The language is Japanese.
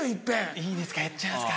いいですかやっちゃいますか。